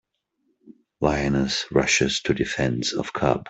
Lioness Rushes to Defense of Cub.